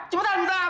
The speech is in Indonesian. cepetan minta maaf